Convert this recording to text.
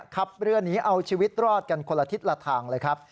ขับเรือหนีเอาชีวิตรอดกันคนละทิศละทางเลยครับ